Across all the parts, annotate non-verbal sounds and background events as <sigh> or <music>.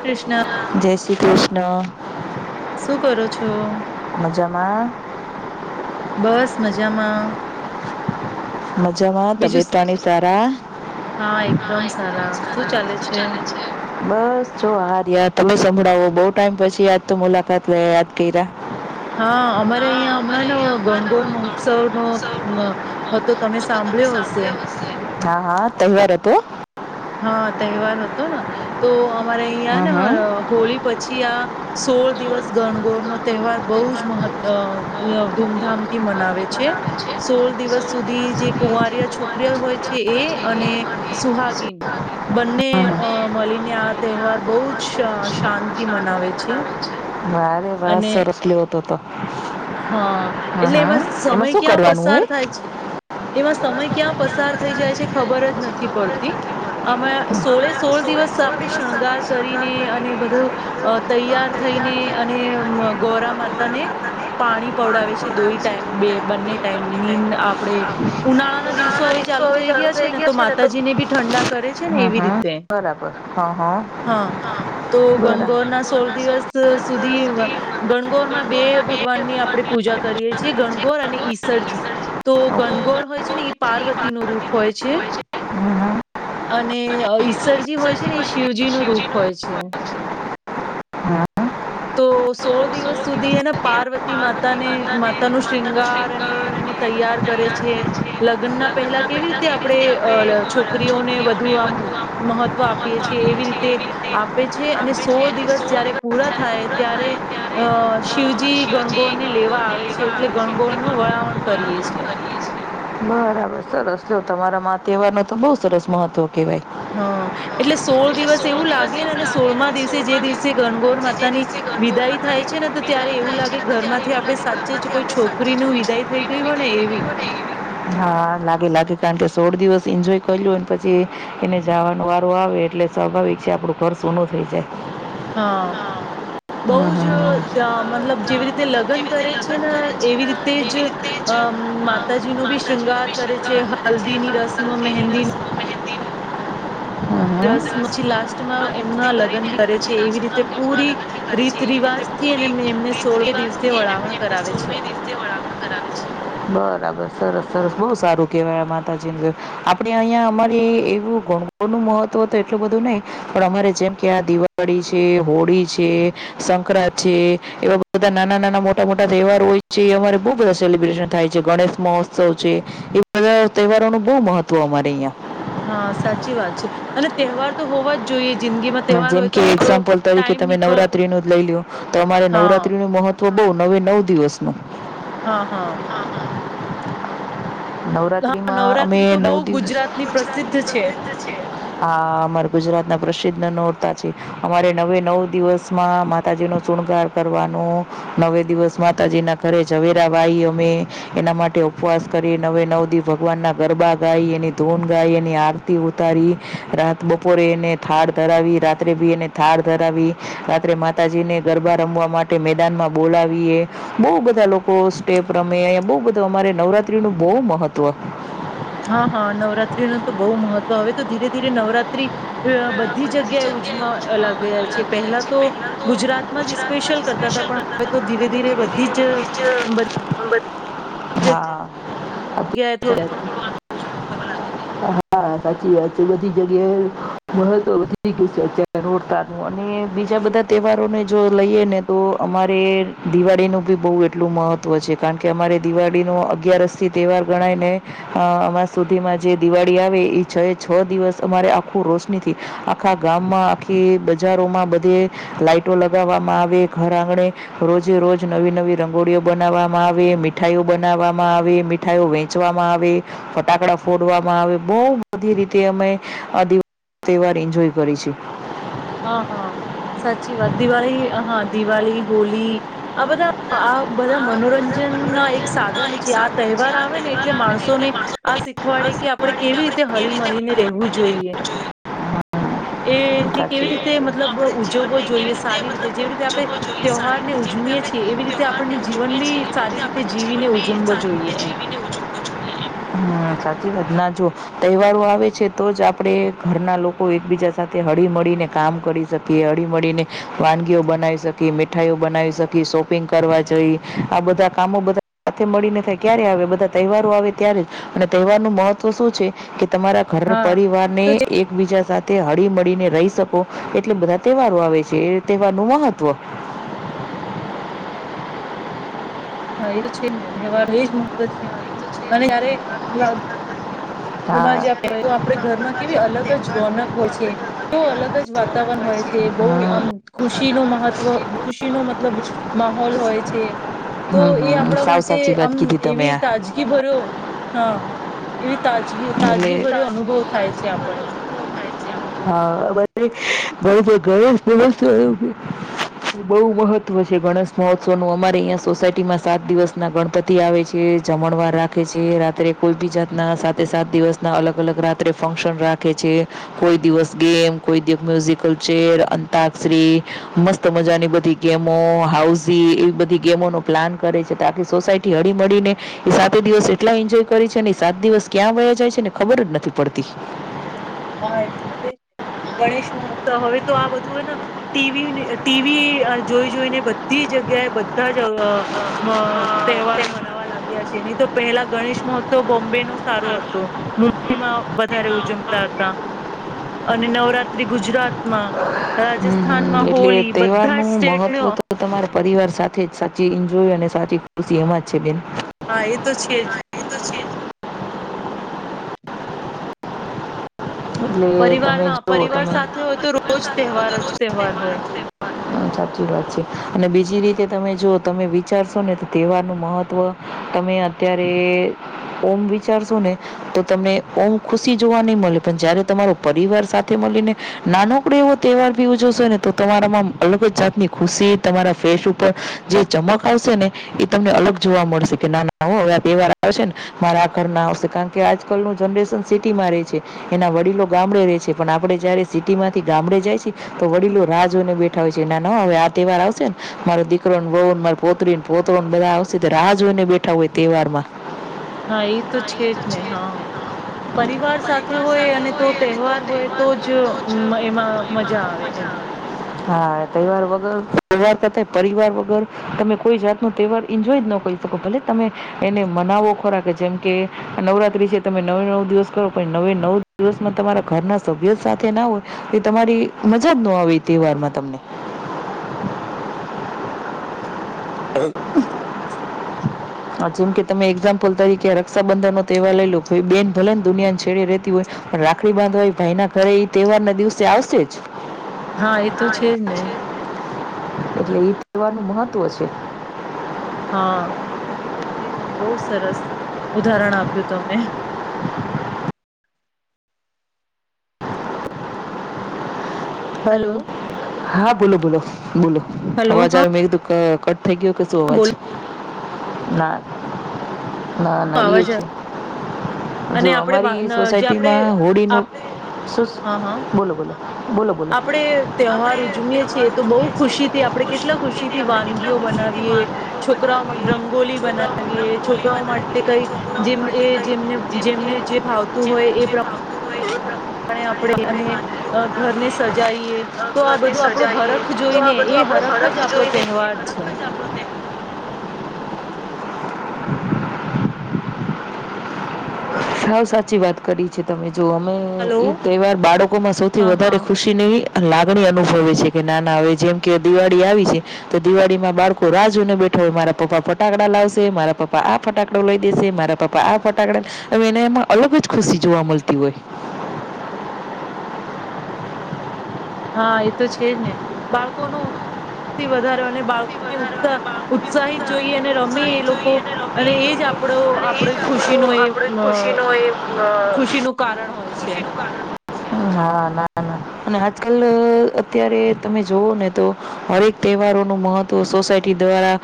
કૃષ્ણ જય શ્રી કૃષ્ન. શું કરો છો. મ જમા. બસ મજામાં. મજામાં બીજું તબિયત પાણી સારા. હા એકદમ સારા શું ચાલે છે. બસ જો આ રિયા તમે સંભળાવો. બોઉ ટાઈમ પછી આજ તો મુલાકાત લે યાદ કર્યા હા અમારે હા અહિયાં અમારે હમણાંને અહીંયા હમણાં ગણગોર તો મહ મહોત્સવ ગણગોર નો મહોત્સવ હ નો તો તમે હતો સાંભળ્યો હશે. હા હા તહેવાર હતો. હા તહેવાર હતો ન તો અમારે અહિયાં હમ ને હમ હોળી પછી આ સોળ દિવસ ગણગોર નો તહેવાર બહુ જ મહ એ ધૂમધામથી મનાવે ખાખરી છે બનાવે સોળ દિવસ સુધી જે કુંવારિયા છોકરીઓ હોય છે એ અને સુહાગીન બંને અ મળીને આ તહેવાર બહુ જ શાંન મનાવે છે. અરે વાસ અને સરસ લેવો તો હ હા હ એટલે એમાં સમય શું ક્યાં કરવાનું પસાર હોય. થાય છે એમાં સમય ક્યાં પસાર થઈ જાય છે ખબર જ નથી પડતી. આમાં સોળે સોળ દિવસ આપણે શણગાર કરીને અને બધું તૈયાર થઈને અને ગૌરા માતાને પાણી પવડાવે છે દોહી પડાવી ટાઈ દૂધ બે ટાઈમ બંને બે ટાઈમ મ ટાઈપની આપણે ઉનાળાના દિવસો હવે ચાલુ થઈ ગયા છે ને તો માતાજીને બી ઠંડા રહે છે ને હા એવી હા રીતે બરાબર હા હા હા તો ગણગૌરના સોલ ગણગોરના સોળ દિવસ દિવસ સુધી ગણગોરમાં બે ભગવાનની આપણે પૂજા કરીએ છીએ ગણગોર અને ઈસરજી તો ગણગોર હોય છેને એ પાર્વતીનું રૂપ હોય છે. અને ઈસરજી હોય છે ને એ શિવજી નું રૂપ હોય છે. હા તો સોળ દિવસ સુધી એને પાર્વતી માતાને માતાનો શૃંગાર અને એમને તૈયાર કરે છે લગ્નના પહેલા કેવી રીતે આપણે છોકરીઓને બધુ આમ મહત્વ આપીએ છીએ એવી રીતે આપે છે અને આપે છે સોળ અને દિવસ સોળ જયારે દિવસ પૂરા જ્યારે થાય ત્યારે થાય ત્યારે અ અ શિવજી શિવજી ગણગોરને લેવા ગણગોરને આવે છે એટલે છે ગણગોર એટલે નું વળાવણ ગણગોરનું કરીએ વળામણું છીએ. કરીએ છીએ. બરાબર સરસ તો તમારામાં તહેવાર નો તો બહુ સરસ મહત્વ કહેવાય. હા એટલે સોળ હા એટલે દિવસ એવું દિવસ લાગેને લાગે સોળમાં ને દિવસે જે દિવસે ગણગોરમાં જે પોતાની દિવસે ગણગોર વિદાય થાય માતાની છે ને તો ત્યારે વિદાય એવું થાય છે લાગે ને તો ઘર ત્યારે માંથી એવું આપણે લાગે સાચે જ ઘરમાંથી કોઈ આપણે સાચે જ છોકરીનું કોઈ વિદાય છોકરી થઈ ન ગયું હોય ને વિદાય થઈ ગઈ એવી. હોય ને એવી હા લાગે લાગે કારણ કે સોળ દિવસ એન્જોય કર્યું પછી એને જાવાનો વારો આવે એટલે સ્વાભાવિક છે આપડું ઘર સોનું થઈ જાય. હા બહુ જ હા ત્યા મતલબ જેવી રીતે બઉ જ લગ્ન મતલબ જેવી રીતે કરે છે લગ્ન ને કરે છે એવી ને રીતે જ એવી રીતે જ અમ માતાજીનો બી માતાજી નો શૃંગાર બી કરે છે શૃંગાર કરે છે હલ્દીની રસમ, હલ્દીની મહેંદી રસમ મહેંદીનું દસમાં રસ પછી આવી લાસ્ટમાં રીતે એમના કરીને લગ્ન અને કરે છે પછી એવી રીતે લાસ્ટમાં એમના પૂરી લગ્ન બી કરે રીત છે એવી રીતે રિવાજથી અને પૂરી એમને રીત સોળમ દિવસે રિવાજથી અને વળાવણ એમને કરાવે છે. સોળમી રીતે વળામણ કરાવે છે. બરાબર સરસ સરસ બહું સારું કેવાય માતાજી આપડે અહિયાં અમારી એવું ગણગોરનું મહત્વ તો એટલું બધું નહી પણ અમારે જેમ કે આ દિવાળી છે, હોળી છે, સંક્રાંત છે, એવા બધા નાના નાના મોટા મોટા તહેવારો હોય છે અમારે બવ બધા સેલિબ્રેશન થાય છે ગણેશ મહોત્સવ છે એ બધા તહેવારોનું બહુ મહત્વ અમારે અહિયાં. હા સાચી વાત છે અને તહેવાર તો હોવા જ જોઈએ જિંદગીમાં તહેવાર જેમ હોય તો કે આપણો એક્ઝામ્પલ તરીકે ટાઈમ તમે નીકળ નવરાત્રીનું જ લઈ લ્યો તો અમારે હા નવરાત્રી નું મહત્વ તો બો નવે નવ દિવસ નુ. હા હા. હા નવરાત્રીમાં નવરાત્રી અમે તો બહુ નવ દિવસ ગુજરાતની પ્રસિદ્ધ છે હા. મર ગુજરાત ના પ્રસિદ્ધ નોરતા છે. અમારે નવે નવ દિવસમાં માતાજી નો શુણગાર કરવાનો. નવે દિવસ માતાજી ના ઘરે ઝવેરા વાઈ અમે એના માટે ઉપવાસ કરી નવે નવ દી ભગવાનના ગરબા ગાઈ એની ધૂન ગાઈ એની આરતી ઉતારી રાત બપોરે એને થાળ ધરાવી રાત્રે ભી એને થાળ ધરાવી રાત્રે માતાજીને ગરબા રમવા માટે મેદાનમાં બોલાવીએ બહુ બધા લોકો સ્ટેપ રમે બહુ બધું અમારે નવરાત ત્રિનું બહુ મહત્વ હા હા નવરાત્રીનું તો બહુ મહત્વ હવે તો ધીરે ધીરે નવરાત્રી જગ્યાએ ઉજવવા અ બધ બધી જગ્યાએ ઉજમાં લાગ્યા છે. પહેલા તો ગુજરાતમાં જ સ્પેશિયલ કરતાતા. પણ હવે તો ધીરે ધીરે બધી જ હા. ગયાએ થોડા છે. થોડું લાગે હા સાચી વાત છે. બધી જગ્યાએ મહત્વ વધી ગયું છે અત્યારે નોરતાનું અને બીજા બધાં તહેવારોને જો લઈએ ને તો અમારે દિવાળીનું બી બહુ એટલું મહત્વ છે. કારણ કે અમારે દિવાળીનો અગિયારસથી તહેવાર ગણાય ને અમાસ સુધીમાં જે દિવાળી વાળી આવે ઈ છ એ છ દિવસ અમારે આખું રોશનીથી આખા ગામમાં આખી બજારોમાં બધે લાઈટો લગાવવામાં આવે, ઘર આંગણે રોજે રોજ નવી નવી રંગોળીઓ બનાવવામાં આવે, મીઠાઈઓ બનાવવામાં આવે, મીઠાઈઓ વેચવામાં આવે, ફટાકડા ફોડવામાં આવે બહુ બધી રીતે અમે આ દિવાળીનો તહેવાર ઈન્જોય કરી છી. હહ હહ સાચી વાત દિવાળી હહ દિવાલી, હોલી આ બધાં આ બધા મનોરંજનના એક મનોરંજન ના સાધન એક છે. આ સાધન છે તહેવાર આ આવે ને તહેવાર એટલે આવે ને એટલે માણસોને આ માણસોને આ શીખવાડે કે આપણે શીખવાડે કેવી રીતે હળી મળીને રહેવું હળીમળીને જોઈએ. જોઈએ. એ સાચી કે વાત કેવી છે. રીતે મતલબ આપણે ઉજવવો જીવનને કેવી જોઈએ સારી રીતે જેવી મતલબ રીતે આપણે ઉજવવો જોઈએ સારી તહેવારને રીતે જેવી રીતે ઉજમીએ છીએ આપણે એવી રીતે આપ તહેવારને આપણને જીવન ઉજવીએ બી છીએ એવી સારી રીતે આપણે જીવીને જીવનને ઉજમવો જોઈએ એમ. હા સાચી વાત ના જો તહેવારો આવે છે તો જ આપણે ઘરના લોકો એકબીજા સાથે હળી મળીને કામ કરી શકીએ, હળી મળીને વાનગીઓ બનાવી શકીએ, મીઠાઈઓ બનાવી શકીએ, શોપિંગ કરવા જઈ, આ બધા કામો બધા સાથે મળીને થાય ક્યારે આવે બધા તહેવારો આવે ત્યારે અને તહેવારનું મહત્વ શું છે કે તમારા ઘર હા પરિવારને એકબીજા સાથ તે હળીમળીને રહી શકો એટલે બધા તહેવારો આવે છે. એ તહેવારનું મહત્વ. હા, એ તો છે ને તહેવારનું એજ મહત્વ છે અને જ્યારે લાગ ઘરમાં હા એ પહેલું તો જે છે જ ને આપડે હા ઘરમાં જે કેવી અલગ આપણે જ તહેવાર રોનક તો હોય છે. આપણે ઘરમાં કેવું કેવી અલગ જ રોનક વાતાવરણ હોય છે. બહુ આમ હમ ખુશીનું વાતાવરણ મહત્વ ખુશીનો હોય મતલબ માહોલ હોય છે. તો છે હમ એ હમ આપણા સાવ માટે સાચી વાત આમ કીધી તમે એવી આ તાજગી ભર્યો હા એ તાજગી તાજગી ત્રાસની ભરી ભર્યો અનુભવ વસ્તુઓ થાય છે આપણને છે. હા બધે <unintelligible> ગણેશ મહોત્સવ બહુ મહત્વ છે. ગણેશ મહોત્સવ નું અમારે અહિયાં સોસાયટીમાં સાત દિવસ ના ગણપતિ આવે છે, જમણવાર રાખે છે, રાત્રે કોઈ બી જાત ના તે સાત દિવસના અલગ અલગ રાત્રે ફંક્શન રાખે છે. કોઈ દિવસ ગેમ, કોઈ દિવસ મ્યુઝિકલ ચેર, અંતાક્ષરી, મસ્ત મજાની બધી ગેમો હાઉઝી એવી બધી ગેમોનો પ્લાન કરે છે તો આખી સોસાયટી હળી મળીને એ સાતે દિવસ એટલા એન્જોય કરી છે ને એ સાત દિવસ ક્યાં વયા જાય છે ને ખબર જ નથી પડતી. હા એટલે કે ગણેશ મહોત્સવ હવે તો આ બધું હેને ટી વી ટી વી અ જોઈ જોઈને બધી જગ્યાએ બધા જ અ તહેવારો મનાવા લાગ્યા છે. નહી તો પહેલા ગણેશ મહોત્સવ બોમ્બેનો સારો હતો મુંબઈમાં વધારે ઉજમ તાતા અને નવરાત્રી ગુજરાતમાં, રાજસ્થ હમ એટલે તહેવારનું મહત્ત્વ તો તમારે પરિવાર સાથે જ સાચી ઈન્જોય અને સાચી ખુશી એમાં જ છે બેન. હા એ તો છે જ. એટલે પરિવાર તમે હા જુઓ પરિવાર તમે સાથે હોય તો રોજ તહેવાર જ તહેવાર હોય. હમ્મ સાચી વાત છે. અને બીજી રીતે તમે જો તમે વિચારશો ને તો તહેવાર નું મહત્વ તમે અત્યારે ઓમ વિચારશો ને તો તમને ઓમ ખુશી જોવા ની મલે. પણ જયારે તમારો પરિવાર સાથે મલીને નાનકડો એવો તહેવાર ભી ઉજવશે ને તો તમારામાં આમ અલગ જ જાતની ખુશી તમારા ફેસ ઉપર જે ચમક આવશે ને એ તમને અલગ જોવા મળશે કે નાના હવે હો આ તહેવાર આવે છે ને મારા આ ઘરના આવશે કારણ કે આજકાલનું જનરેશન સીટીમાં રે છે. એના વડીલો ગામડે રે છે. પણ આપડે જયારે સિટીમાંથી ગામડે જાય છી તો વડીલો રાહ જોઈને બેઠા હોય છે. ના ના હવે હો આ તહેવાર આવશે ને મારો દીકરોને વહુને મારી પોત્રીને પોત્રો બધા આવશેને તે રાહ જોઈને બેઠા હોય તહેવારમાં. હા એ તો છે જ નને હા પરિવાર સાથ હોય અને તો તહેવાર હોય તોજ જો મહિમા એમાં મજા આવે એમ આવે. હા તહેવાર વગર તર કરતા પરિવાર વગર તમે કોઈ જાત ન તહેવાર એન્જોય જ ન કરી શકો ભલે તમે એને મનાવો ખોરા કે જેમ કે નવરાત્રી છે તમે નવે નવ દિવસ કરો પણ નવે નવ દિવસમાં તમારા ઘરના સભ્ય સાથે ના હોય એ તમારી મજા જ ન આવી. તેવારમાં ત <unintelligible> હ જેમ કે તમે એક્ઝામ્પલ તરીકે રક્ષાબંધન નો તહેવાર લઈ લો બેન ભલે ને દુનિયાને છેડે રેતી હોય પણ રાખડી બાંધવાય ભાઈ ના ઘરે એ તહેવાર ના દિવસે આવશેજ. હા એ તો છે જ ને એટલે એ તહેવારનું મહ તું હશે. હા, એ તો છે ને બહુ સરસ ઉદાહરણ આપ્યું તમે. હલો. હા, બોલો બોલો બોલો. હલો અવાજ હા આવે મૈ કીધું ક કટ થઈ ગયું કશું અવાઝ. બોલો ના. ના ના એ અવાજ છે. અને જો અમારી આપણે જે આપણે સોસાયટીમાં હોળીનું આપ શું હા હા બોલો બોલો. બોલ આપણે તહેવાર ઉજવીએ છીએ તો બહુ ઉજવીએ છીએ ખુશી તો થી બહુ આપણે કેટલા ખુશીથી આપણે કેટલા વાનગીઓ ખુશીથી બનાવીએ વાનગીઓ છોકરાઓ બનાવીએ રંગોલી છોકરાઓ માટે બનાવીએ રંગોલી છોકરાઓ માટે બનાવીએ કઈ છોકરાઓ જેમ માટે એ જેમને કઈ જેમ કે જેમને જે ભાવતું હોય જેમને એ જે પ્રમા ભાવતું હોય એ પ્રમાણે આપણે વાનગીઓ તીએ બનાવીએ અને તો આ ઘરને બધો આપણો સજાઈએ હરખ તો આ જોઈને એ બધું આપણો હરખ જ આપડો જોઈને એ તહેવાર છે. હરખ જ આપણો તહેવાર સાવ સાચી વાત કરી છે તમે. જો અમે હલો. એ તહેવાર બાળકોમાં સૌથી હા વધારે હા ખુશીને લાગણી અનુભવે છે કે નાના હવે જેમ કે દિવાળી આવી છે તો દિવાળીમાં બાળકો રાહ જોને બેઠો હોય મારા પપ્પા ફટાકડા લાવશે મારા પપ પા આ ફટાકડો લઈ દેશે. મારા પપ આ પોટાકડ હવે એને એમાં અલગ જ ખુશી જોવા મળતી હોય. હા એ તો છે જ ને બાળકોનો ઉત્થી વધારે અને થી બાળકોને વધારે ઉત્સા અને બાળકો બી ઉત્સાહિત ઉત્સા જોઈ અને રમી એ ઉત્સાહિત લોકો જોઈએ રમે અને એજ આપડો આપડ ખુશીનો એ ખુશી નુ એ ખુશીનું કારણ હોય છે. ના ના અને આજકાલ અત્યારે તમે જોવઓ ને તો હરેક તહેવારો ન મહત્વ સોસાયટી દ્વારા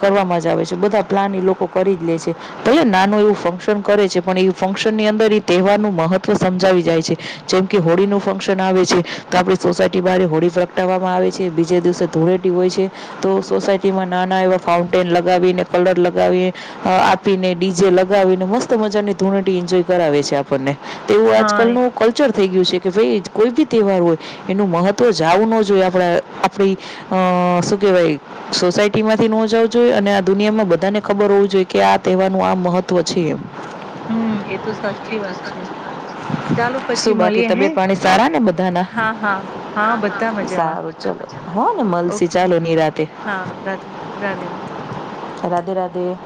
કરવામાં જ આવે છે બધા પ્લાન એ લોકો કરી જ લે છે ભ નાનું એવું ફંક્શન ન કરે છે પણ એ ફંક્શનની અંદર એ તહેવારનું મહત્વ સમજાવી જાય છે. જેમ કે હોળીનું ફંક્શન આવે છે તો આપણી સોસાયટી બારે હોળી પ્રગટાવવામાં આવે છે બીજા દિવસે ધૂળેટી હોય છે તો સોસાયટીમાં નાના એવા ફાઉન્ટેન લગાવીને કલર લગાવીને આપીને ડીજે લગાવીને મસ્ત ત મજાની ધૂળટી એન્જોય કરાવે છે આપણને. તેવું હા આજકાલ નું કલ્ચર થઈ ગયું છે કે ભાઈ કોઈ બી તહેવાર હોય એનું મહત્ત્વ જવું ન જોઈએ આપણા આપણી શું કહેવાય સોસાયટીમાંથી ન જાવું જોઈએ અને આ દુનિયામાં બધાને ખબર હોવું જોઈએ કે આ તહેવારનું આ મહત્ત્વ છે એમ. હમ્મ એ તો સાચી વાત છે ચાલો પછી શું બાકી મળીએ હે તબિયત પાણી સારા ને બધાના? હા હા હા બધા મજામાં સારું ચલો હો ને મલસી ઓકે ચાલો નિરાતે હા રાધે રાધે રાધે. રાધે રાધે.